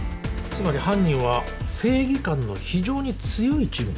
つまり犯人は正義感の非常に強い人物。